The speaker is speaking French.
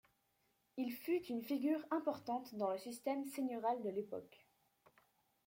Il fut une figure importante dans le système seigneurial de l'époque.